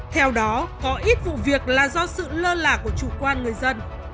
theo đó có ít vụ việc là do sự lơ lạc của chủ quan người dân